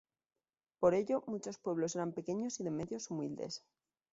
Por ello, muchos pueblos eran pequeños y de medios humildes.